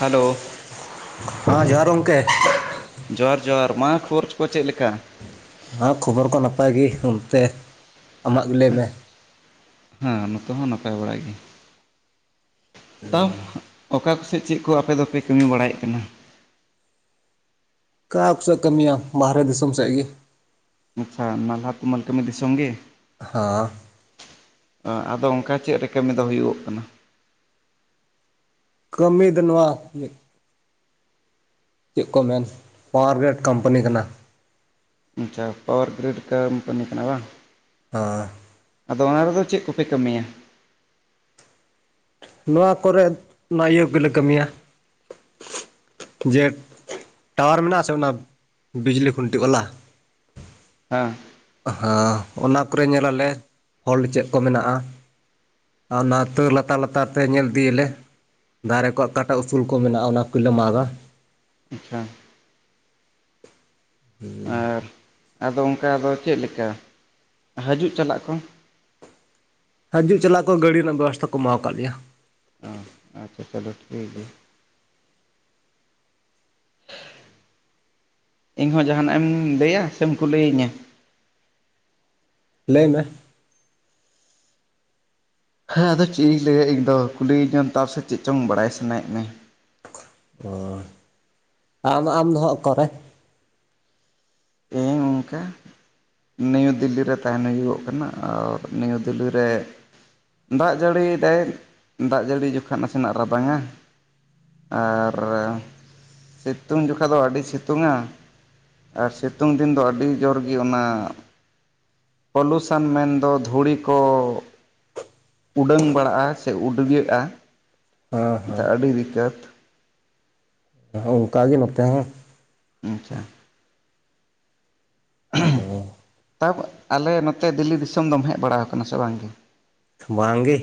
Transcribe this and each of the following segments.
Hello ᱦᱮᱸ ᱡᱚᱦᱟᱨ ᱜᱚᱢᱠᱮ [inaudible] ᱡᱚᱦᱟᱨ ᱡᱚᱦᱟᱨ ᱢᱟ ᱠᱷᱚᱨᱚᱪ ᱠᱚ ᱪᱮᱫ ᱞᱮᱠᱟ? ᱟᱨ ᱠᱷᱚᱵᱚᱨ ᱠᱚ ᱱᱟᱯᱟᱭ ᱜᱮ ᱚᱱᱛᱮ ᱟᱢᱟᱜ ᱜᱮ ᱞᱟᱹᱭ ᱢᱮ ᱦᱮᱸ ᱱᱚᱛᱮ ᱦᱚᱸ ᱱᱟᱯᱟᱭ ᱵᱟᱲᱟᱜ ᱜᱮ ᱛᱟᱣ ᱚᱠᱟ ᱠᱚᱥᱮᱫ ᱪᱮᱫ ᱠᱚ ᱟᱯᱮ ᱫᱚᱯᱮ ᱠᱟᱹᱢᱤ ᱵᱟᱲᱟᱭᱮᱫ ᱠᱟᱱᱟ ᱚᱠᱟ ᱠᱚᱥ ᱠᱟᱹᱢᱤᱭᱟ ᱵᱟᱦᱨᱮ ᱫᱤᱥᱚᱢ ᱥᱮᱫ ᱜᱮ ᱟᱪᱪᱷᱟ ᱱᱟᱞᱦᱟ ᱛᱩᱢᱟᱹᱞ ᱠᱟᱹᱢᱤ ᱫᱤᱥᱚᱢ ᱜᱮ ᱦᱮᱸ ᱟᱫᱚ ᱚᱱᱠᱟ ᱪᱮᱫ ᱨᱮ ᱠᱟᱹᱢᱤ ᱫᱚ ᱦᱩᱭᱩᱜᱚᱜ ᱠᱟᱱᱟ? ᱠᱟᱹᱢᱤ ᱫᱚ ᱱᱚᱣᱟ ᱪᱮᱫ ᱠᱚ ᱢᱮᱱ ᱯᱟᱣᱟᱨ ᱜᱨᱮᱰ ᱠᱳᱢᱯᱟᱱᱤ ᱠᱟᱱᱟ ᱟᱪᱪᱷᱟ ᱯᱟᱣᱟᱨ ᱜᱨᱤᱰ ᱠᱢᱯᱟᱱᱤ ᱠᱟᱱᱟ ᱵᱟᱝ ᱟᱨ ᱟᱫᱚ ᱚᱱᱟ ᱨᱮᱫᱚ ᱪᱮᱫ ᱠᱚᱯᱮ ᱠᱟᱹᱢᱤᱭᱟ? ᱱᱚᱣᱟ ᱠᱚᱨᱮ ᱱᱚᱣᱟ ᱤᱭᱟᱹ ᱜᱮᱞᱮ ᱠᱟᱹᱢᱤᱭᱟ, ᱡᱮ ᱴᱟᱣᱟᱨ ᱢᱮᱱᱟᱜ ᱥᱮ ᱚᱱᱟ ᱵᱤᱡᱽᱞᱤ ᱠᱷᱩᱱᱴᱤ ᱚᱞᱟ ᱦᱮᱸ ᱦ ᱚᱱᱟ ᱠᱚᱨᱮ ᱧᱮ ᱟᱞᱮ ᱚᱞ ᱪᱮᱫ ᱠᱚ ᱢᱮᱱᱟᱜᱼᱟ ᱟᱨ ᱚᱱᱟ ᱞᱟᱛᱟᱨ ᱞᱟ ᱞᱟᱛᱟᱨ ᱛᱮ ᱧᱮᱞ ᱤᱫᱤᱭᱟᱞᱮ ᱫᱟᱨᱮ ᱠᱚᱣᱟᱜ ᱚᱠᱟᱴᱟ ᱩᱥᱩᱞ ᱠᱚ ᱢᱮᱱᱟᱜᱼᱟ ᱚᱱᱟ ᱠᱚᱞᱮ ᱢᱟᱜᱟ ᱟᱪᱪᱷᱟ [unintelligible] ᱦᱩᱸ [inaudible] ᱟᱨ ᱟᱫᱚ ᱚᱱᱠᱟ ᱫᱚ ᱪᱮᱫ ᱞᱮᱠᱟ ᱦᱤᱡᱩᱜ ᱪᱟᱞᱟᱜ ᱠᱚ? ᱦᱟᱹᱡᱩᱜ ᱪᱟᱞᱟᱜ ᱠᱚ ᱜᱟᱹᱲᱤ ᱨᱮᱱᱟᱜ ᱵᱮᱵᱚᱥᱛᱟ ᱠᱚ ᱮᱢᱟᱣ ᱠᱟᱜ ᱞᱮᱭᱟ᱾ ᱚᱸ ᱟᱪᱪᱷᱟ ᱪᱚᱞᱚ ᱴᱷᱤᱠ ᱜᱮᱭᱟ᱾ ᱤᱧ ᱦᱚᱸ ᱡᱟᱦᱟᱱᱟᱜ ᱮᱢ ᱞᱟᱹᱭᱟ ᱥᱮᱢ ᱠᱩᱞᱤᱭᱤᱧᱟᱹ? ᱞᱟᱹᱭ ᱢᱮ? ᱦᱮᱸ ᱟᱫᱚ ᱪᱮᱜ ᱤᱧ ᱞᱟᱹᱭᱟ ᱤᱧ ᱫᱚ ᱠᱩᱞᱤᱧᱟᱢ ᱛᱟ ᱥᱮ ᱪᱮᱜ ᱪᱚᱝ ᱵᱟᱲᱟᱭ ᱥᱟᱱᱟᱭᱮᱜ ᱢᱮ? ᱚ ᱟᱢ ᱟᱢ ᱫᱚ ᱦᱟᱸᱜ ᱚᱠᱟ ᱨᱮ? ᱤᱧ ᱚᱝᱠᱟ ᱱᱤᱭᱩ ᱫᱤᱞᱞᱤ ᱨᱮ ᱛᱟᱦᱮᱱ ᱦᱩᱭᱩᱜᱚᱜ ᱠᱟᱱᱟ, ᱟᱨ ᱱᱤᱭᱩ ᱫᱤᱞᱞᱤ ᱨᱮ ᱫᱟᱜ ᱡᱟᱹᱲᱤᱭ ᱮᱫᱟᱭ᱾ ᱫᱟᱜ ᱡᱟᱹᱲᱤ ᱡᱚᱠᱷᱚᱱ ᱱᱟᱥᱮᱱᱟᱜ ᱨᱟᱵᱟᱝᱟ ᱾ ᱟᱨ ᱥᱤᱛᱩᱝ ᱡᱚᱠᱷᱟᱜ ᱫᱚ ᱟᱹᱰᱤ ᱥᱤᱛᱩᱝᱼᱟ᱾ ᱟᱨ ᱥᱤᱛ ᱥᱤᱛᱩᱝ ᱫᱤᱱ ᱫᱚ ᱟᱹᱰᱤ ᱡᱳᱨ ᱜᱮ ᱚᱱᱟ ᱯᱚᱞᱩᱥᱚᱱ ᱢᱮᱱᱫᱚ ᱫᱷᱩᱲᱤ ᱠᱚᱼᱼ ᱩᱰᱟᱹᱝ ᱵᱟᱲᱟᱜᱼᱟ ᱥᱮ ᱩᱰᱜᱟᱹᱜᱼᱟ ᱦᱮᱸ ᱥᱮ ᱟᱹᱰᱤ ᱨᱤᱠᱟᱹᱛ ᱚᱱᱠᱟ ᱜᱮ ᱱᱚᱛᱮ ᱦᱚᱸ᱾ ᱟᱪᱪᱷᱟ [unintelligible] ᱛᱟ ᱟᱞᱮ ᱱᱚᱛᱮ ᱫᱤᱞᱞᱤ ᱫᱤᱥᱚᱢ ᱫᱚᱢ ᱦᱮᱡ ᱵᱟᱲᱟᱣ ᱟᱠᱟᱱᱟ ᱥᱮ ᱵᱟᱝ? ᱵᱟᱝᱜᱮ,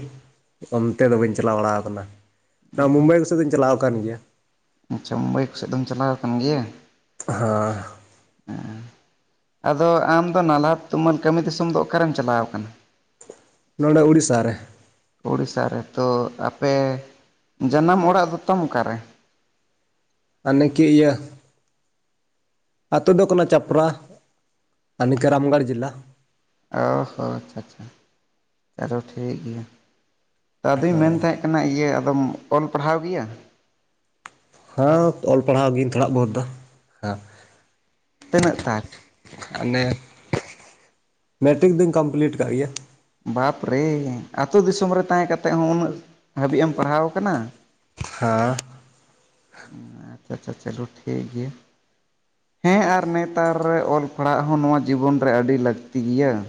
ᱚᱱᱛᱮ ᱫᱚ ᱵᱟᱹᱧ ᱪᱟᱞᱟᱣ ᱵᱟᱲᱟᱣ ᱠᱟᱱᱟ᱾ ᱱᱚᱣᱟ ᱢᱩᱢᱵᱟᱭ ᱠᱚᱥᱮᱫ ᱫᱩᱧ ᱪᱟᱞᱟᱣ ᱟᱠᱟᱱ ᱜᱮᱭᱟ ᱾ ᱟᱪᱪᱷᱟ ᱢᱩᱢᱵᱟᱭ ᱠᱚ ᱥᱮᱫ ᱫᱚᱢ ᱪᱟᱞᱟᱣ ᱟᱠᱟᱱ ᱜᱮᱭᱟ? ᱦᱮᱸ [inaudible] ᱟᱫᱚ ᱟᱢ ᱫᱚ ᱱᱟᱞᱦᱟ ᱛᱩᱢᱟᱹᱞ ᱠᱟᱹᱢᱤ ᱫᱤᱥᱚᱢ ᱫᱚ ᱚᱠᱟᱨᱮᱢ ᱪᱟᱞᱟᱣ ᱟᱠᱟᱱᱟ? ᱱᱚᱸᱰᱮ ᱩᱲᱤᱥᱥᱟ ᱨᱮ᱾ ᱳᱲᱤᱥᱟ ᱨᱮ, ᱛᱚ ᱟᱯᱮ ᱡᱟᱱᱟᱢ ᱚᱲᱟᱜ ᱫᱚ ᱛᱟᱢ ᱚᱠᱟᱨᱮ? ᱟᱱᱤᱠᱤ ᱤᱭᱟᱹ ᱟᱛᱳ ᱫᱚ ᱠᱟᱱᱟ ᱪᱟᱯᱨᱟ ᱟᱨ ᱱᱤ ᱠᱟᱹ ᱨᱟᱢᱜᱚᱲ ᱡᱮᱞᱟ᱾ ᱚ ᱦᱚᱸ ᱟᱪᱪᱷᱟ ᱪᱷᱟ [inaudible] ᱟᱨᱚ ᱴᱷᱤᱠ ᱜᱮᱭᱟ ᱟᱫᱚᱧ ᱢᱮᱱ ᱛᱟᱦᱮᱸᱫᱼᱼ ᱚᱱᱟ ᱤᱭᱟᱹ ᱟᱫᱚᱢ ᱚᱞ ᱯᱟᱲᱦᱟᱣ ᱜᱮᱭᱟ? ᱦᱮᱸ ᱚᱞ ᱯᱟᱲᱦᱟᱣ ᱜᱤᱭᱟᱹᱧ ᱛᱷᱚᱲᱟ ᱵᱚᱦᱩᱛ ᱫᱚ ᱦᱮᱸ ᱛᱤᱱᱟᱹᱜ ᱛᱟᱠ? ᱢᱮᱴᱨᱤᱠ ᱫᱩᱧ ᱠᱚᱢᱯᱞᱤᱴ ᱠᱟᱜ ᱜᱮᱭᱟ ᱾ ᱵᱟᱯᱨᱮ! ᱟᱹᱛᱩ ᱫᱤᱥᱚᱢ ᱨᱮ ᱛᱟᱦᱮᱸ ᱠᱟᱛᱮᱫ ᱦᱚᱸ ᱩᱱᱟᱹᱜ ᱦᱟᱹᱵᱤᱡ ᱮᱢ ᱯᱟᱲᱦᱟᱣ ᱠᱟᱱᱟ? ᱦᱮᱸ [inaudible] [unintelligible] ᱟᱪᱪᱷᱟ ᱟᱪᱪᱷᱟ ᱪᱟᱞᱩ [unintelligible] ᱴᱷᱤᱠ ᱜᱮᱭᱟ ᱦᱮᱸ ᱟᱨ ᱱᱮᱛᱟᱨ ᱨᱮ ᱚᱞ ᱯᱟᱲᱦᱟᱜ ᱦᱚᱸ ᱱᱚᱣᱟ ᱡᱤᱵᱚᱱ ᱨᱮ ᱟᱹᱰᱤ ᱞᱟᱹᱠᱛᱤ ᱜᱮᱭᱟ ᱾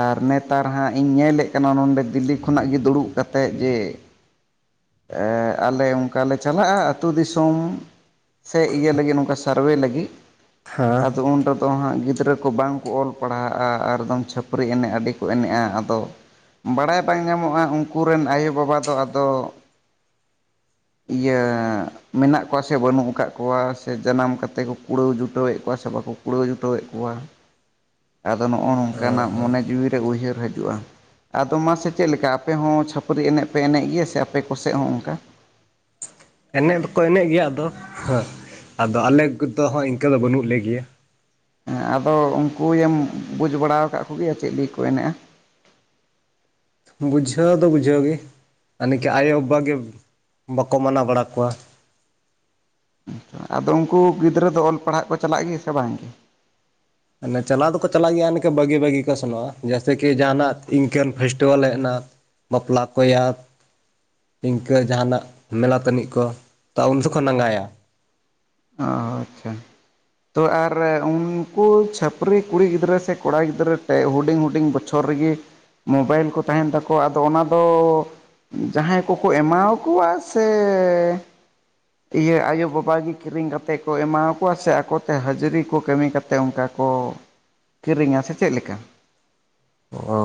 ᱟᱨ ᱱᱮᱛᱟᱨ ᱦᱟᱸᱜ ᱤᱧ ᱧᱮᱞᱮᱫ ᱠᱟᱱᱟ ᱱᱚᱸᱰᱮ ᱫᱤᱞᱞᱤ ᱠᱷᱚᱱᱟᱜ ᱜᱮ ᱫᱩᱲᱩᱵ ᱠᱟᱛᱮᱫ ᱡᱮᱼᱼ ᱮ ᱟᱞᱮ ᱚᱱᱠᱟ ᱞᱮ ᱪᱟᱞᱟᱜᱼᱟ ᱟᱹᱛᱩ ᱫᱤᱥᱚᱢ ᱥᱮ ᱤᱭᱟᱹ ᱞᱟᱹᱜᱤᱫ ᱱᱚᱝᱠᱟ ᱥᱟᱨᱵᱷᱮ ᱞᱟᱹᱜᱤᱫ ᱦᱮᱸ ᱟᱫᱚ ᱩᱱ ᱨᱮᱫᱚ ᱦᱟᱸᱜ ᱜᱤᱫᱽᱨᱟᱹ ᱠᱚ ᱵᱟᱝ ᱠᱚ ᱚᱞ ᱯᱟᱲᱦᱟᱜᱼᱟ ᱟᱨᱫᱚᱢ ᱪᱷᱟᱯ ᱯᱨᱤ ᱮᱱᱮᱡ ᱟᱹᱰᱤ ᱠᱚ ᱮᱱᱮᱡᱼᱟ ᱟᱫᱚ ᱵᱟᱲᱟᱭ ᱵᱟᱝ ᱧᱟᱢᱚᱜᱼᱟ ᱩᱱᱠᱩ ᱨᱮᱱ ᱟᱭᱳᱼᱵᱟᱵᱟ ᱫᱚ ᱟᱫᱚᱼᱼ [inaudible] ᱤᱭᱟᱹ ᱢᱮᱱᱟᱜ ᱠᱚᱣᱟ ᱥᱮ ᱵᱟᱹᱱᱩᱜ ᱟᱠᱟᱫ ᱠᱚᱣᱟ ᱥᱮ ᱡᱟᱱᱟᱢ ᱠᱟᱛᱮᱫ ᱠᱚ ᱠᱩᱲᱟᱹᱣ ᱡᱩᱴᱟᱹᱣ ᱮᱫ ᱠᱚᱣᱟ ᱥᱮ ᱵᱟᱠᱚᱼᱼ ᱠᱩᱲᱟᱹᱣ ᱡᱩᱴᱟᱹᱣ ᱮᱫ ᱠᱚᱣᱟ [inaudible] ᱟᱫᱚ ᱱᱚᱜᱼᱚ ᱦᱮᱸ ᱱᱚᱝᱠᱟᱱᱟᱜ ᱦᱮᱸ ᱢᱚᱱᱮ ᱡᱤᱣᱤ ᱨᱮ ᱩᱭᱦᱟᱹᱨ ᱦᱤᱡᱩᱜᱼᱟ᱾ ᱟᱫᱚ ᱢᱟᱥᱮ ᱪᱮᱫ ᱞᱮᱠᱟ ᱟᱯᱮ ᱦᱚᱸ ᱪᱷᱟᱹᱯᱨᱤ ᱮᱱᱮᱡ ᱯᱮ ᱮᱱᱮᱡ ᱜᱮᱭᱟ ᱥᱮ ᱟᱯᱮ ᱠᱚᱥᱮᱫ ᱦᱚᱸ ᱚᱱᱠᱟ? ᱮᱱᱮᱡ ᱫᱚᱠᱚ ᱮᱱᱮᱡ ᱜᱮᱭᱟ ᱟᱫᱚ ᱦᱟᱸ ᱟᱫᱚ ᱟᱞᱮ ᱠᱚᱫᱚ ᱦᱚᱸ ᱤᱱᱠᱟᱹ ᱫᱚ ᱵᱟᱹᱱᱩᱜ ᱞᱮ ᱜᱮᱭᱟ ᱦᱮᱸ ᱟᱫᱚ ᱩᱱᱠᱩᱭᱮᱢ ᱵᱩᱡᱽ ᱵᱟᱲᱟᱣ ᱟᱠᱟᱫ ᱠᱚᱜᱮᱭᱟ ᱪᱮᱫ ᱞᱟᱹᱜᱤᱫ ᱠᱚ ᱮᱱᱮᱡᱼᱟ? ᱵᱩᱡᱷᱟᱹᱣ ᱫᱚ ᱵᱩᱡᱷᱟᱹᱣ ᱜᱮ, ᱟᱨ ᱱᱤᱠᱟᱹ ᱟᱭᱳᱼᱵᱟᱵᱟ ᱜᱮ ᱵᱟᱠᱚ ᱢᱟᱱᱟᱣ ᱵᱟᱲᱟ ᱠᱚᱣᱟ ᱾ ᱦᱮᱸᱛᱚ ᱟᱫᱚ ᱩᱱᱠᱩ ᱜᱤᱫᱽᱨᱟᱹ ᱫᱚ ᱚᱞ ᱯᱟᱲᱦᱟᱜ ᱠᱚ ᱪᱟᱞᱟᱜ ᱜᱮ ᱥᱮ ᱵᱟᱝ ᱜᱮ? ᱢᱟᱱᱮ ᱪᱟᱞᱟᱣ ᱫᱚᱠᱚ ᱪᱟᱞᱟᱜ ᱜᱮᱭᱟ ᱱᱤᱠᱟᱹ ᱵᱷᱟᱹᱜᱤ ᱵᱷᱟᱹᱜᱤ ᱠᱚ ᱥᱮᱱᱚᱜᱼᱟ ᱡᱮᱭᱥᱮ ᱠᱤ ᱡᱟᱦᱟᱱᱟ ᱤᱱᱠᱟᱹᱱ ᱯᱷᱮᱥᱴᱤᱵᱷᱮᱞ ᱦᱮᱡ ᱮᱱᱟ ᱾ ᱵᱟᱯᱞᱟᱜ ᱠᱚᱭᱟ ᱤᱱᱠᱟᱹ ᱡᱟᱦᱟᱱᱟᱜ ᱢᱮᱞᱟ ᱛᱟᱹᱱᱤᱡ ᱠᱚ ᱛᱚ ᱩᱱ ᱫᱚᱠᱚ ᱱᱟᱸᱜᱟᱭᱟ ᱾ ᱚ ᱟᱪᱪᱷᱟ ᱾ ᱛᱚ ᱟᱨ ᱩᱱᱠᱩ ᱪᱷᱟᱹᱯᱨᱤ ᱠᱩᱲᱤ ᱜᱤᱫᱽᱨᱟᱹ ᱥᱮ ᱠᱚᱲᱟ ᱜᱤᱫᱽᱨᱟᱹ ᱴᱮ ᱦᱩᱰᱤᱧ ᱦᱩᱰᱤᱧ ᱵᱚᱪᱷᱚᱨ ᱥᱩᱨ ᱨᱮ ᱜᱮ ᱢᱳᱵᱟᱭᱤᱞ ᱠᱚ ᱛᱟᱦᱮᱱ ᱛᱟᱠᱚᱣᱟ ᱟᱫᱚ ᱚᱱᱟ ᱫᱚ ᱡᱟᱦᱟᱸᱭ ᱠᱚᱠᱚ ᱮᱢᱟᱠᱚᱣᱟ ᱥᱮ ᱤᱭᱟᱹ ᱟᱭᱳᱼᱵᱟᱵᱟ ᱜᱮ ᱠᱤᱨᱤᱧ ᱠᱟᱛᱮ ᱠᱚ ᱮᱢᱟ ᱠᱚᱣᱟ ᱥᱮ ᱟᱠᱚᱛᱮ ᱦᱟᱹᱡᱨᱤ ᱠᱚ ᱠᱟᱹᱢᱤ ᱠᱟᱛᱮ ᱚᱱᱠᱟ ᱠᱚ ᱠᱤᱨᱤᱧᱟ ᱥᱮ ᱪᱮᱫ ᱞᱮᱠᱟ? ᱚ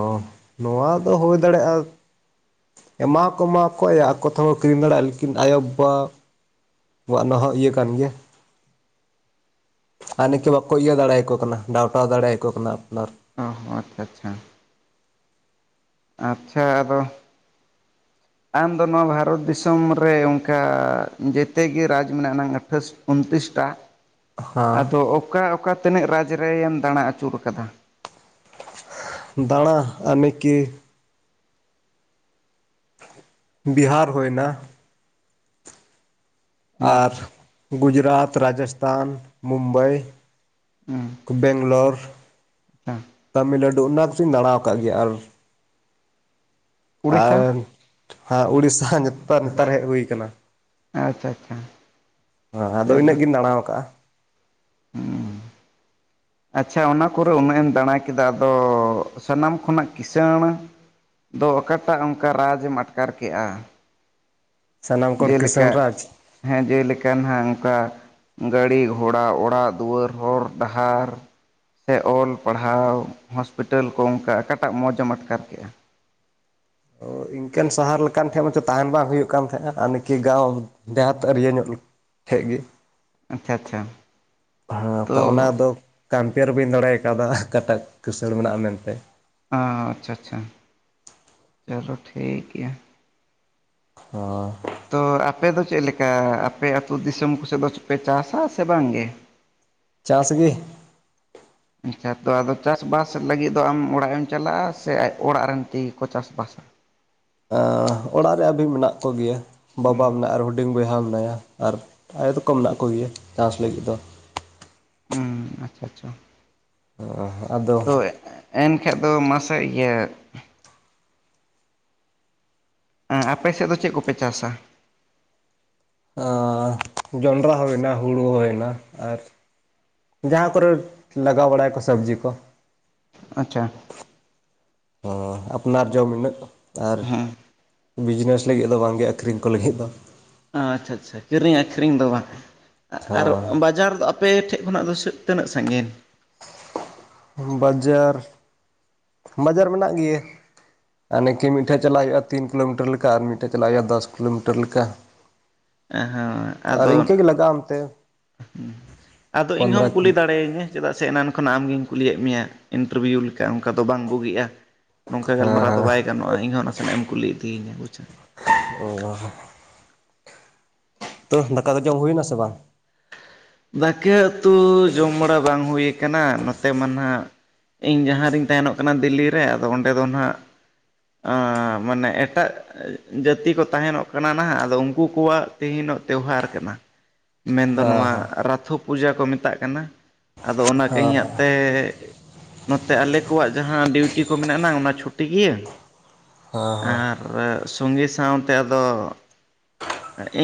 ᱱᱚᱣᱟ ᱫᱚ ᱦᱩᱭ ᱫᱟᱲᱮᱜᱼᱟ ᱮᱢᱟᱣᱠᱚ ᱮᱢᱟ ᱠᱚ ᱟᱠᱚ ᱛᱮ ᱦᱚᱸ ᱠᱚ ᱠᱤᱨᱤᱧ ᱫᱟᱲᱮᱭᱟᱜᱼᱟ ᱞᱮᱠᱤᱱ ᱟᱭᱳᱼᱵᱟᱵᱟ [unintelligible] ᱤᱭᱟᱹ ᱠᱟᱱ ᱜᱮᱭᱟ ᱾ ᱟᱨ ᱱᱤᱠᱟᱹ ᱵᱟᱠᱚ ᱤᱭᱟᱹ ᱫᱟᱲᱮᱭᱟᱠᱚ ᱠᱟᱱᱟ ᱰᱟᱣᱴᱟᱣ ᱫᱟᱲᱮᱭᱟᱠᱚ ᱠᱟᱱᱟ ᱟᱯᱱᱟᱨ ᱾ ᱚ ᱦᱚᱸ ᱟᱪᱪᱷᱟ ᱟᱪᱪᱷᱟ ᱾ ᱟᱪᱪᱷᱟ ᱟᱫᱚ [inaudible] ᱟᱢ ᱫᱚ ᱱᱚᱣᱟ ᱵᱷᱟᱨᱚᱛ ᱫᱤᱥᱚᱢ ᱨᱮ ᱚᱱᱠᱟ ᱡᱮᱛᱮ ᱨᱟᱡᱽ ᱢᱮᱱᱟᱜ ᱟᱱᱟᱝ ᱟᱹᱴᱷᱟᱥ ᱩᱱᱛᱨᱤᱥᱴᱟ ᱦᱟᱸ ᱟᱫᱚ ᱚᱠᱟ ᱚᱠᱟ ᱛᱤᱱᱟᱹᱜ ᱨᱟᱡᱽ ᱨᱮᱢ ᱫᱟᱬᱟ ᱟᱹᱪᱩᱨ ᱟᱠᱟᱫᱟ? ᱫᱟᱬᱟ ᱟᱨ ᱱᱤᱠᱟᱹ ᱵᱤᱦᱟᱨ ᱦᱩᱭᱱᱟ ᱦᱮᱸ ᱟᱨ ᱜᱩᱡᱽᱨᱟᱴ ᱨᱟᱡᱚᱥᱛᱷᱟᱱ ᱢᱩᱢᱵᱟᱭ ᱦᱮᱸ ᱾ ᱵᱮᱝᱜᱞᱳᱨ ᱛᱟᱢᱤᱞᱱᱟᱹᱰᱩ ᱚᱱᱟ ᱠᱚᱫᱚᱧ ᱫᱟᱬᱟᱣ ᱟᱠᱟᱫ ᱜᱮᱭᱟ, ᱟᱨ ᱩᱲᱤᱥᱥᱟ ᱟᱨ ᱩᱲᱤᱥᱥᱟᱹ ᱱᱮᱛᱟᱨ ᱱᱮᱛᱟᱨ ᱦᱮᱡ ᱦᱩᱭ ᱟᱠᱟᱱᱟᱱᱟ ᱾ ᱟᱪᱪᱷᱟ ᱟᱪᱪᱷᱟ ᱾ ᱦ ᱟᱫᱚ ᱤᱱᱟᱹᱜ ᱜᱤᱧ ᱫᱟᱬᱟᱣ ᱟᱠᱟᱜᱼᱟ ᱾ ᱦᱩᱸ ᱟᱪᱪᱷᱟ ᱾ ᱚᱱᱟ ᱠᱚᱨᱮ ᱩᱱᱟᱹᱜ ᱮᱢ ᱫᱟᱬᱟ ᱠᱮᱫᱟ ᱟᱫᱚ ᱥᱟᱱᱟᱢ ᱠᱷᱚᱱᱟᱜ ᱠᱤᱥᱟᱹᱬ ᱫᱚ ᱚᱠᱟᱴᱟᱜ ᱚᱱᱠᱟ ᱨᱟᱡᱽ ᱮᱢ ᱟᱴᱠᱟᱨ ᱠᱮᱜᱼᱟ? ᱥᱟᱱᱟᱢ ᱠᱚᱲ ᱡᱮ ᱞᱮᱠᱟ ᱠᱤᱥᱟᱹᱱ ᱨᱟᱡᱽ ᱦᱮᱸ ᱡᱮ ᱞᱮᱠᱟ ᱱᱟᱦᱜ ᱚᱱᱠᱟ ᱜᱟᱹᱲᱤ ᱜᱷᱚᱲᱟ ᱚᱲᱟᱜ ᱫᱩᱣᱟᱹᱨ ᱦᱚᱨ ᱰᱟᱦᱟᱨ ᱥᱮ ᱚᱞ ᱯᱟᱲᱦᱟᱣ ᱦᱥᱯᱤᱴᱟᱞ ᱠᱚ ᱚᱱᱠᱟ ᱚᱠᱟᱴᱟᱜ ᱢᱚᱡᱮ ᱮᱢ ᱟᱴᱠᱟᱨ ᱠᱮᱜᱼᱟ? ᱚ ᱤᱱᱠᱟᱹᱱ ᱥᱟᱦᱟᱨ ᱞᱮᱠᱟᱱ ᱴᱷᱮᱱ ᱢᱟᱪᱷᱚ ᱛᱟᱦᱮᱱ ᱵᱟᱝ ᱦᱩᱭᱩᱜ ᱠᱟᱱ ᱛᱟᱦᱮᱸᱱᱟ ᱟᱨ ᱱᱤᱠᱟᱹ ᱜᱟᱶ ᱰᱮᱦᱟᱛ ᱟᱨ ᱤᱭᱟᱹ ᱧᱚᱜ ᱴᱷᱮᱡ ᱜᱮ ᱟᱪᱪᱷᱟ ᱟᱪᱪᱷᱟ ᱦᱮᱸ ᱛᱚ ᱚᱱᱟ ᱫᱚ ᱠᱚᱢᱯᱮᱭᱟᱨ ᱵᱟᱹᱧ ᱫᱟᱲᱮ ᱟᱠᱟᱣᱫᱟ ᱚᱠᱴᱟᱜ ᱠᱥᱟᱹᱲ ᱢᱮᱱᱟᱜᱼᱟ ᱢᱮᱱ ᱛᱮ ᱾ ᱚ ᱟᱪᱪᱷᱟ ᱟᱪᱪᱷᱟ ᱾ ᱪᱚᱞᱚ ᱴᱷᱤᱠ ᱜᱮᱭᱟ ᱾ ᱦᱚ ᱛᱚ ᱟᱯᱮ ᱫᱚ ᱪᱮᱫ ᱞᱮᱠᱟ ᱟᱯᱮ ᱟᱹᱛᱩ ᱫᱤᱥᱚᱢ ᱠᱚ ᱥᱮᱫ ᱫᱚ ᱪᱮᱫ ᱯᱮ ᱪᱟᱥᱟ ᱥᱮ ᱵᱟᱝ ᱜᱮ? ᱪᱟᱥ ᱜᱮ ᱠᱷᱮᱛ ᱛᱚ ᱟᱫᱚ ᱪᱟᱥᱵᱟᱥ ᱞᱟᱹᱜᱤᱫ ᱫᱚ ᱟᱢ ᱚᱲᱟᱜ ᱮᱢ ᱪᱟᱞᱟᱜᱼᱟ ᱥᱮ ᱟᱡ ᱚᱲᱟᱜ ᱨᱮᱱ ᱛᱮ ᱜᱮ ᱠᱚ ᱪᱟᱥᱵᱟᱥᱟ? ᱚ ᱚᱲᱟᱜ ᱨᱮ ᱟᱹᱵᱤ ᱢᱮᱱᱟᱜ ᱠᱚ ᱜᱮᱭᱟ ᱵᱟᱵᱟ ᱦᱩᱸ ᱢᱮᱱᱟᱭᱟ ᱟᱨ ᱦᱩᱰᱤᱧ ᱵᱚᱭᱦᱟ ᱢᱮᱱᱟᱭᱟ᱾ ᱟᱨ ᱟᱭᱳ ᱛᱚ ᱠᱚ ᱢᱮᱱᱟᱜ ᱠᱚ ᱜᱮᱭᱟ ᱪᱟᱥ ᱞᱟᱹᱜᱤᱫ ᱫᱚ ᱾ ᱦᱩᱸ ᱾ ᱟᱪᱪᱷᱟ ᱟᱪᱪᱷᱟ ᱾ ᱚ ᱟᱫᱚ ᱮᱱᱠᱷᱟᱡ ᱫᱚ ᱢᱟᱥᱮ ᱤᱭᱟᱹ ᱟᱯᱮ ᱥᱮᱫ ᱫᱚ ᱪᱮᱫ ᱠᱚᱯᱮ ᱪᱟᱥᱟ? ᱚᱻ ᱡᱚᱸᱰᱨᱟ ᱦᱩᱭᱱᱟ ᱦᱩᱲᱩ ᱦᱩᱭᱱᱟ ᱟᱨ ᱡᱟᱦᱟᱸ ᱠᱚᱨᱮ ᱞᱟᱜᱟᱣ ᱵᱟᱲᱟᱭᱟᱠᱚ ᱥᱚᱵᱽᱡᱤ ᱠᱚ᱾ ᱟᱪᱪᱷᱟ ᱦ ᱟᱯᱱᱟᱨ ᱡᱚᱢ ᱤᱱᱟᱹᱜ ᱟᱨ ᱦᱮᱸ ᱵᱤᱡᱽᱱᱮᱥ ᱞᱟᱹᱜᱤᱫ ᱫᱚ ᱵᱟᱝᱜᱮ ᱟᱹᱠᱷᱨᱤᱧ ᱠᱚ ᱞᱟᱹᱜᱤᱫ ᱫᱚ ᱟᱪᱪᱷᱟ ᱟᱪᱪᱷᱟ ᱠᱤᱨᱤᱧ ᱟᱹᱠᱷᱨᱤᱧ ᱫᱚ ᱵᱟᱝ ᱟᱨ ᱦᱚᱸ ᱵᱟᱡᱟᱨ ᱟᱯᱮᱴᱷᱮᱡ ᱠᱷᱚᱱᱟᱜ ᱫᱚ ᱛᱤᱱᱟᱹᱜ ᱥᱟᱺᱜᱤᱧ? ᱵᱟᱡᱟᱨ ᱵᱟᱡᱟᱨ ᱢᱮᱱᱟᱜ ᱜᱮᱭᱟ ᱦᱟᱱᱮ ᱠᱤ ᱢᱤᱫᱴᱷᱮᱱ ᱪᱟᱞᱟᱜ ᱦᱩᱭᱩᱜᱼᱟ ᱛᱤᱱ ᱠᱤᱞᱳᱢᱤᱴᱟᱨ ᱞᱮᱠᱟ ᱟᱨ ᱢᱤᱫᱴᱷᱮᱱ ᱪᱟᱞᱟᱜ ᱦᱩᱭᱩᱜᱼᱟ ᱫᱚᱥ ᱠᱤᱞᱳᱢᱤᱴᱟᱨ ᱞᱮᱠᱟ᱾ [unintelligible] [inaudible] ᱦᱸ ᱟ ᱟᱨ ᱤᱱᱠᱟᱹ ᱜᱮ ᱞᱟᱜᱟᱜᱼᱟ ᱚᱱᱛᱮ [inaudible] ᱟᱫᱚ ᱤᱧ ᱯᱚᱱᱫᱨᱚ ᱦᱚᱢ ᱠᱩᱞᱤ ᱠᱤᱞᱳ ᱫᱟᱲᱮᱭᱟᱹᱧᱟᱹ᱾ ᱪᱮᱫᱟᱜ ᱥᱮ ᱮᱱᱟᱱ ᱠᱷᱚᱱᱟᱜ ᱟᱢᱜᱤᱧ ᱠᱩᱞᱤᱭᱮᱫ ᱢᱮᱭᱟ ᱤᱱᱴᱟᱨᱵᱷᱤᱭᱩ ᱞᱮᱠᱟ ᱚᱱᱠᱟ ᱫᱚ ᱵᱟᱝ ᱵᱩᱜᱤᱜᱼᱟ᱾ ᱱᱚᱝᱠᱟ ᱦᱮᱸ ᱜᱟᱞᱢᱟᱨᱟᱣ ᱫᱚ ᱦᱮᱸ ᱵᱟᱭ ᱜᱟᱱᱚᱜᱼᱟ ᱤᱧ ᱦᱚᱸ ᱱᱟᱥᱮᱱᱟᱜ ᱮᱢ ᱠᱩᱞᱤ ᱤᱫᱤᱤᱧᱟ ᱵᱩᱪᱷᱣ ᱚ [inaudible] ᱛᱚ ᱫᱟᱠᱟ ᱫᱚ ᱡᱚᱢ ᱦᱩᱭᱮᱱᱟ ᱥᱮ ᱵᱟᱝ? ᱫᱟᱠᱮ ᱩᱛᱩ ᱡᱚᱢ ᱵᱟᱲᱟ ᱵᱟᱝ ᱦᱩᱭᱩ ᱟ ᱠᱷᱮᱱᱟᱜ ᱱᱚᱛᱮ ᱢᱟ ᱱᱟᱜ ᱤᱧ ᱡᱟᱦᱟᱸ ᱨᱤᱧ ᱛᱟᱦᱮᱱᱚᱜ ᱠᱟᱱᱟ ᱫᱤᱞᱞᱤ ᱨᱮ ᱟᱫᱚ ᱚᱸᱰᱮ ᱫᱚ ᱱᱟᱦᱟᱜ ᱮ ᱢᱟᱱᱮ ᱮᱴᱟᱜ ᱡᱟᱹᱛᱤ ᱠᱚ ᱛᱟᱦᱮᱱᱚᱜ ᱠᱟᱱᱟ ᱱᱟᱟᱜ ᱟᱫᱚ ᱩᱱᱠᱩ ᱠᱚᱣᱟᱜ ᱛᱮᱦᱤᱱᱚᱜ ᱛᱮᱣᱦᱟᱨ ᱠᱟᱱᱟ᱾ ᱢᱮᱱᱫᱚ ᱦᱮᱸ ᱱᱚᱣᱟ ᱦᱮᱸ ᱨᱟᱛᱷᱚ ᱯᱩᱡᱟ ᱠᱚ ᱢᱮᱛᱟᱜ ᱠᱟᱱᱟ᱾ ᱟᱫᱚ ᱚᱱᱟ ᱠᱚ ᱦᱮᱸ ᱦᱮᱸ ᱤᱧᱟᱹᱜ ᱛᱮ ᱱᱚᱛᱮ ᱟᱞᱮ ᱠᱚᱣᱟᱜ ᱡᱟᱦᱟᱸ ᱰᱤᱭᱩᱴᱤ ᱠᱚ ᱢᱮᱱᱟᱜ ᱟᱱᱟᱝ ᱚᱱᱟ ᱪᱷᱩᱴᱤ ᱜᱮᱤᱭᱟᱹ ᱦᱮᱸ ᱦᱮᱸ ᱟᱨ ᱮᱜ ᱥᱚᱝᱜᱮ ᱥᱟᱶᱛᱮ ᱟᱫᱚ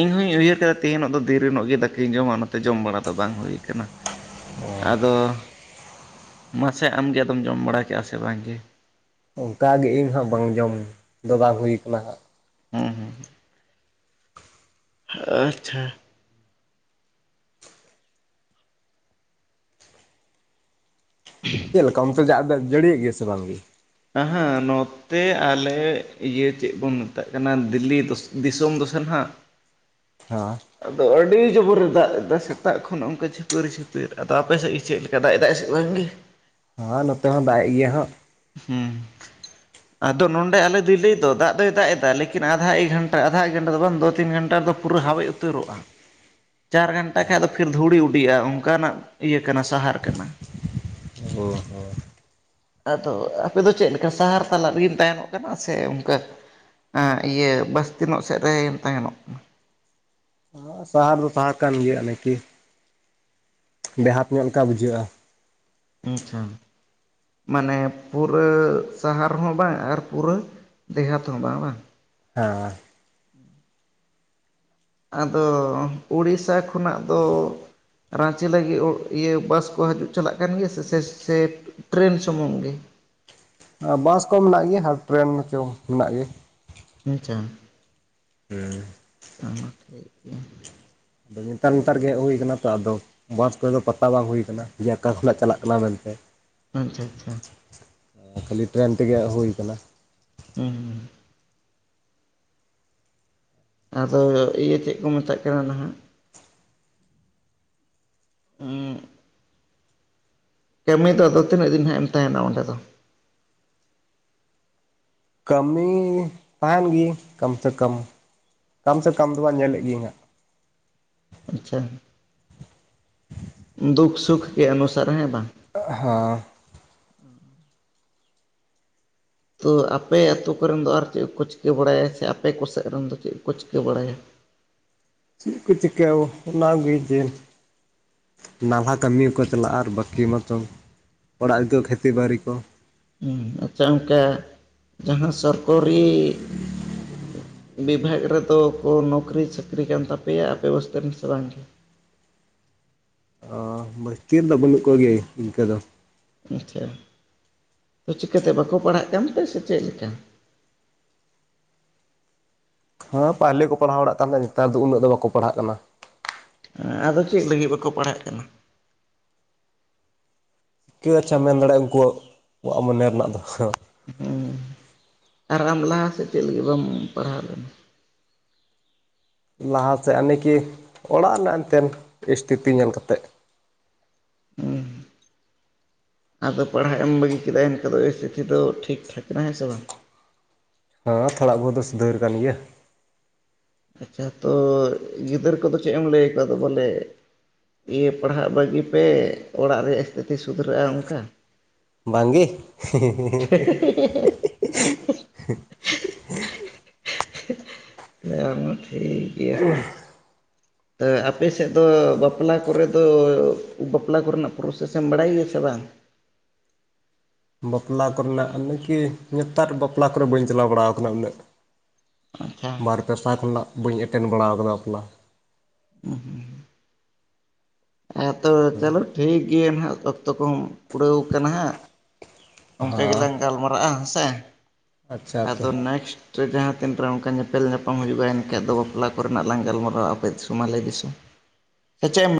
ᱤᱧᱦᱚᱧ ᱩᱭᱦᱟᱹᱨ ᱠᱮᱫᱟ ᱛᱮᱦᱧᱚᱜ ᱫᱚ ᱫᱤᱨᱤ ᱧᱚᱜ ᱜᱮ ᱫᱟᱠᱟᱧ ᱡᱚᱢ ᱚᱱᱟᱜ᱾ ᱛᱮ ᱡᱚᱢ ᱵᱟᱲᱟ ᱫᱚ ᱵᱟᱝ ᱦᱩᱭ ᱠᱟᱱᱟ ᱟᱫᱚ ᱢᱟᱥᱮ ᱟᱢᱜᱮ ᱟᱫᱚᱢ ᱡᱚᱢ ᱵᱟᱲᱟ ᱠᱮᱫᱼᱟ ᱥᱮ ᱵᱟᱝᱜᱮ? ᱚᱱᱠᱟᱜᱮ ᱤᱧ ᱦᱚᱸ ᱵᱟᱝ ᱡᱚᱢ ᱫᱚ ᱵᱟᱝ ᱦᱩᱭ ᱠᱟᱱᱟ ᱦᱟᱸ ᱦᱮᱸ ᱟᱪᱪᱷᱟ ᱪᱮᱫ ᱞᱮᱠᱟ ᱚᱱᱛᱮ ᱡᱟᱜᱽ ᱫᱚ ᱡᱟᱹᱲᱤᱭᱮᱜ ᱜᱮᱭᱟ ᱥᱮ ᱵᱟᱝ ᱜᱤ? ᱚᱸᱦᱚᱜ ᱱᱚ ᱱᱚᱛᱮ ᱟᱞᱮ ᱤᱭᱟᱹ ᱪᱮᱫ ᱵᱚᱱ ᱢᱮᱛᱟᱜ ᱠᱟᱱᱟ ᱫᱤᱞᱞᱤ ᱫᱤᱥᱚᱢ ᱫᱚᱥᱮ ᱱᱟᱟᱜ ᱦᱮᱸ [inaudible] ᱟᱫᱚ ᱟᱹᱰᱤ ᱡᱚᱵᱚᱨᱮ ᱫᱟᱜ ᱮᱫᱟ ᱥᱮᱛᱟᱜ ᱠᱷᱚᱱ ᱚᱱᱠᱟ ᱪᱷᱤᱯᱤᱨ ᱡᱷᱤ ᱛᱮ ᱛᱯᱮ ᱥᱮᱫ ᱜᱮ ᱪᱮᱫ ᱞᱮᱠᱟ ᱫᱟᱜᱽ ᱮᱫᱟᱭ ᱥᱮ ᱵᱟᱝᱜᱮ ᱦᱸ ᱱᱚᱛᱮ ᱦᱚᱸ ᱫᱟᱜᱽ ᱮᱫ ᱜᱮᱭᱟᱭ ᱦᱚᱸ ᱦᱩᱸ [inaudible] ᱟᱫᱚ ᱱᱚᱸᱰᱮ ᱟᱞᱮ ᱫᱤᱞᱞᱤ ᱛᱚ ᱫᱟᱜ ᱫᱚᱭ ᱫᱟᱜ ᱮᱫᱟ ᱞᱮᱠᱤᱱ ᱟᱫᱷᱟ ᱮᱠ ᱜᱷᱚᱱᱴᱟ ᱟᱫᱷᱟ ᱮᱠ ᱜᱷᱚᱱᱴᱟ ᱫᱚ ᱵᱚᱱᱫᱚ ᱛᱤᱱ ᱜᱷᱚᱱᱴᱟ ᱫᱚ ᱯᱩᱨᱟᱹ ᱦᱟᱣᱮ ᱩᱛᱟᱹᱨᱚᱜᱼᱟ ᱪᱟᱨ ᱜᱷᱟᱱᱴᱟ ᱠᱷᱟ ᱫᱚ ᱯᱷᱤᱨ ᱫᱷᱩᱲᱤ ᱩᱰᱤᱜᱼᱟ ᱚᱱᱠᱟᱱᱟᱜ ᱤᱭᱟᱹ ᱠᱟᱱᱟ ᱥᱟᱦᱟᱨ ᱠᱟᱱᱟ ᱚ ᱦᱚᱸ ᱟᱫᱚ ᱟᱯᱮᱫᱚ ᱪᱮᱫ ᱞᱮᱠᱟ ᱥᱟᱦᱟᱨ ᱛᱟᱞᱟᱜ ᱨᱮᱜᱮᱢ ᱛᱟᱦᱮ ᱱᱚᱜ ᱠᱟᱱᱟ ᱥᱮ ᱚᱱᱠᱟ ᱦᱟᱸᱜ ᱤᱭᱟᱹ ᱵᱟᱥᱛᱤᱱᱟᱚᱜ ᱥᱮᱫ ᱨᱮᱢ ᱛᱟᱦᱮᱱᱚᱜ ᱥᱟᱦᱟᱨ ᱫᱚ ᱥᱟᱦᱟᱨ ᱠᱟᱱ ᱜᱮᱭᱟ [unintelligible] ᱵᱮᱦᱟᱛ ᱧᱚᱜ ᱞᱮᱠᱟ ᱵᱩᱡᱷᱟᱹᱜᱼᱟ᱾ ᱟᱪᱪᱷᱟ [inaudible] ᱢᱟᱱᱮ ᱯᱩᱨᱟᱹ ᱥᱟᱦᱟᱨᱮ ᱦᱚᱸ ᱵᱟᱝ ᱟᱨ ᱯᱩᱨᱟᱹ ᱫᱮᱦᱟᱛ ᱦᱚᱸ ᱵᱟᱝ ᱵᱟᱝ ᱦᱮᱸ ᱟᱫᱚ ᱳᱲᱤᱥᱥᱟ ᱠᱷᱚᱱᱟᱜ ᱫᱚ ᱨᱟᱟᱸᱪᱤ ᱞᱟᱹᱜᱤᱫ ᱤᱭᱟᱹ ᱵᱟᱥ ᱠᱚ ᱦᱤᱡᱩᱜ ᱪᱟᱞᱟᱜ ᱠᱟᱱ ᱜᱮᱭᱟ ᱥᱮ ᱥᱮᱴ ᱴᱨᱮᱱ ᱥᱩᱢᱩᱝ ᱜᱮ ᱵᱟᱥ ᱠᱚ ᱢᱮᱱᱟᱜ ᱜᱮᱭᱟ ᱟᱨ ᱴᱨᱮᱱ ᱪᱚ ᱢᱮᱱᱟᱜ ᱜᱮ ᱟᱪᱪᱷᱟ ᱦᱮᱸ᱾ ᱚ ᱴᱷᱤᱠ ᱜᱮᱭᱟ ᱟᱫᱚ ᱱᱮᱛᱟᱨ ᱱᱮᱛᱟᱨ ᱜᱮ ᱦᱩᱭ ᱟᱠᱟᱱᱟ ᱛᱚ ᱟᱫᱚ ᱵᱟᱥ ᱠᱚᱨᱮ ᱫᱚ ᱯᱟᱛᱟ ᱵᱟᱝ ᱦᱩᱭ ᱠᱟᱱᱟ ᱡᱮ ᱚᱠᱟ ᱠᱷᱚᱱᱟᱜ ᱪᱟᱞᱟᱜ ᱠᱟᱱᱟ ᱢᱮᱱᱛᱮ ᱟᱪᱪᱷᱟ ᱪᱷᱟ᱾ ᱠᱷᱟᱹᱞᱤ ᱴᱨᱮᱹᱱ ᱛᱮᱜᱮ ᱦᱩᱭ ᱟᱠᱟᱱᱟ ᱦᱩᱸᱩ ᱟᱫᱚ ᱤᱭᱟᱹ ᱪᱮᱫ ᱠᱚ ᱢᱮᱛᱟᱜ ᱠᱟᱱᱟ ᱱᱟᱦᱟᱜ ᱦᱩᱸᱜ ᱠᱟᱹᱢᱤ ᱫᱚ ᱟᱫᱚ ᱛᱤᱱᱟᱹᱜ ᱫᱤᱱ ᱦᱟᱸᱜ ᱮᱢ ᱛᱟᱦᱮᱱᱟ ᱚᱸᱰᱮ ᱫᱚ? ᱠᱟᱹᱢᱤ ᱛᱟᱦᱮᱱ ᱜᱮ ᱠᱚᱢ ᱥᱮ ᱠᱚᱢ ᱠᱚᱢ ᱥᱮ ᱠᱚᱢ ᱫᱚ ᱵᱟᱝ ᱧᱮᱞᱮᱫ ᱜᱤᱭᱟᱹᱧᱦᱟᱜ ᱟᱪᱪᱷᱟ ᱫᱩᱠ ᱥᱩᱠ ᱜᱮ ᱚᱱᱩᱥᱟᱨ ᱦᱮᱸ ᱵᱟᱝ ᱦᱟ ᱛᱚ ᱟᱯᱮ ᱟᱛᱳ ᱠᱚᱨᱮᱱ ᱫᱚ ᱟᱨ ᱪᱮᱫ ᱠᱚ ᱪᱤᱠᱟᱹ ᱵᱟᱲᱟᱭᱟ ᱥᱮ ᱟᱯᱮ ᱠᱚ ᱥᱮᱫ ᱨᱮᱱ ᱫᱚ ᱪᱮᱫ ᱠᱚ ᱠᱚ ᱪᱤᱠᱟᱹ ᱵᱟᱲᱟᱭᱟ ᱪᱮᱫ ᱠᱚ ᱪᱤᱠᱟᱹ ᱚᱱᱟᱜᱩᱭ ᱧᱮᱞ ᱱᱟᱞᱦᱟ ᱠᱟᱹᱢᱤ ᱦᱚᱸᱠᱚ ᱪᱟᱞᱟᱜᱼᱟ ᱟᱨ ᱵᱟᱹᱠᱤ ᱢᱟᱛᱚ ᱚᱲᱟᱜ ᱨᱮᱠᱚ ᱠᱷᱮᱛᱤ ᱵᱟᱹᱨᱤ ᱠᱚ, ᱟᱪᱪᱷᱟ ᱚᱱᱠᱮ ᱡᱟᱦᱟᱸ ᱥᱚᱨᱠᱚᱨᱤ ᱵᱤᱵᱷᱟᱜᱽ ᱨᱮᱫᱚ ᱠᱚ ᱱᱚᱠᱨᱤ ᱪᱟᱹᱠᱨᱤ ᱠᱟᱱ ᱛᱟᱯᱮᱭᱟ ᱟᱯᱮ ᱵᱟᱚᱥᱛᱮ ᱨᱮᱱ ᱥᱮ ᱵᱟᱝᱜᱮ ᱚ ᱵᱚᱥᱛᱤᱨ ᱫᱚ ᱵᱟᱹᱱᱩᱜ ᱠᱚᱜᱮ ᱤᱱᱠᱟᱹ ᱫᱚ ᱟᱪᱪᱷᱟ ᱛᱚ ᱪᱤᱠᱟᱹᱛᱮ ᱵᱟᱠᱚ ᱯᱟᱲᱦᱟᱜ ᱠᱟᱱᱛᱮ ᱥᱮ ᱪᱮᱫᱞᱮᱠᱟ ᱦᱚ ᱯᱟᱦᱞᱮ ᱠᱚ ᱯᱟᱲᱦᱟᱣ ᱵᱟᱲᱟᱜ ᱠᱟᱱ ᱛᱟᱦᱮᱸᱫ ᱱᱮᱛᱟᱨ ᱫᱚ ᱩᱱᱟᱹᱜ ᱫᱚ ᱵᱟᱠᱚ ᱯᱟᱲᱦᱟᱜ ᱠᱟᱱᱟ ᱦᱮᱸ ᱟᱫᱚ ᱪᱮᱫ ᱞᱟᱹᱜᱤᱫ ᱵᱟᱠᱚ ᱯᱟᱲᱦᱟᱜ ᱠᱟᱱᱟ? ᱴᱷᱤᱠᱟᱹ ᱟᱪᱪᱷᱟ ᱢᱮᱱ ᱫᱟᱲᱮᱭᱟᱜᱼᱟ ᱩᱱᱠᱩᱣᱟᱜ ᱢᱚᱱᱮ ᱨᱮᱱᱟᱜ ᱫᱚ ᱦᱩᱸ ᱟᱨ ᱟᱢ ᱞᱟᱦᱟ ᱥᱮᱫ ᱪᱮᱫ ᱞᱟᱹᱜᱤᱫ ᱵᱟᱢ ᱯᱟᱲᱦᱟᱣ ᱞᱮᱱᱟ ᱞᱟᱦᱟᱥᱮᱱ ᱟᱱᱤᱠᱤ ᱚᱲᱟᱜ ᱨᱮᱱᱟᱜ ᱮᱱᱛᱮᱱ ᱥᱤᱥᱛᱷᱤᱛᱤ ᱧᱮᱞ ᱠᱟᱛᱮᱫ ᱦᱮᱸ [inaudible] ᱟᱫᱚ ᱯᱟᱲᱦᱟᱜ ᱮᱢ ᱵᱟᱹᱜᱤ ᱠᱮᱫᱟ ᱮᱱᱠᱷᱟᱱ ᱫᱚ ᱤᱥᱛᱷᱤᱛᱤ ᱫᱚ ᱴᱷᱤᱠ ᱴᱷᱟᱠ ᱠᱟᱱᱟ ᱦᱮᱸ ᱥᱮ ᱵᱟᱝ ᱦᱟᱸ ᱛᱷᱚᱲᱟ ᱵᱚᱦᱩᱛ ᱫᱚ ᱥᱩᱫᱷᱟᱹᱨ ᱠᱟᱱ ᱜᱮᱭᱟ ᱟᱪᱪᱷᱟ ᱛᱚ ᱜᱤᱫᱟᱹᱨ ᱠᱚᱫᱚ ᱪᱮᱫ ᱮᱢ ᱞᱟᱹᱭᱠᱚᱣᱟ ᱟᱫᱚ ᱵᱚᱞᱮ ᱤᱭᱟᱹ ᱯᱟᱲᱦᱟᱜ ᱵᱟᱹᱜᱤ ᱯᱮ ᱚᱲᱟᱜ ᱨᱮᱭᱟᱜ ᱥᱛᱷᱤᱛᱤ ᱥᱩᱫᱷᱨᱟᱹᱜᱼᱟ ᱚᱱᱠᱟ᱾ ᱵᱟᱝᱜᱮ, [unintelligible] [unintelligible] ᱴᱷᱤᱠ ᱜᱮᱭᱟ᱾ ᱛᱳ ᱟᱯᱮ ᱥᱮᱫ ᱫᱚ ᱵᱟᱯᱞᱟ ᱠᱚᱨᱮ ᱫᱚ ᱵᱟᱯᱞᱟ ᱠᱚᱨᱮᱱᱟᱜ ᱯᱨᱚᱥᱮᱥᱢ ᱵᱟᱲᱟᱭ ᱜᱮᱭᱟ ᱥᱮ ᱵᱟᱝ ᱵᱟᱯᱞᱟ ᱠᱚᱨᱮᱱᱟᱜ ᱠᱟᱢᱤᱠᱤ ᱱᱮᱛᱟᱨ ᱵᱟᱯᱞᱟ ᱠᱚᱨᱮ ᱵᱟᱹᱧ ᱪᱟᱞᱟᱣ ᱵᱟᱲᱟᱣ ᱟᱠᱟᱱᱟ ᱩᱱᱟᱹᱜ ᱟᱪᱪᱷᱟ ᱵᱟᱨ ᱯᱮ ᱥᱟᱞ ᱨᱮᱱᱟᱜ ᱵᱟᱹᱧ ᱮᱴᱮᱱ ᱵᱟᱲᱟ ᱠᱟᱫᱟ ᱵᱟᱯᱞᱟ᱾ [inaudible] ᱦᱮᱸ ᱛᱚ ᱪᱚᱞᱚ ᱴᱷᱤᱠ ᱜᱮᱭᱟ ᱱᱟᱦᱟᱜ ᱚᱠᱛᱚ ᱠᱚᱦᱚᱸ ᱠᱩᱲᱟᱹᱣ ᱠᱟᱱᱟ ᱦᱟᱸᱜ ᱚᱱᱠᱟ ᱦᱮᱸ ᱜᱮᱞᱟᱝ ᱜᱟᱞ ᱢᱟᱨᱟᱜᱼᱟ ᱦᱮᱸ ᱥᱮ, ᱟᱪᱪᱷᱟ ᱟᱪᱪᱷᱟ ᱟᱫᱚ ᱱᱮᱠᱥᱴ, ᱨᱮ ᱡᱟᱦᱟᱸ ᱛᱤᱱᱨᱮ ᱚᱱᱠᱟ ᱧᱮᱯᱮᱞ ᱧᱟᱯᱟᱢ ᱦᱩᱭᱩᱜᱼᱟ ᱮᱱᱠᱷᱮᱡᱽ ᱫᱚ ᱵᱟᱯᱞᱟ ᱠᱚᱨᱮ ᱱᱟᱜ ᱞᱟᱝ ᱜᱟᱞ ᱢᱟᱨᱟᱣᱟ ᱚᱠᱛᱮ ᱥᱚᱢᱟᱞᱮ ᱫᱤᱥᱚᱢ ᱥᱮᱪᱮ ᱮᱢ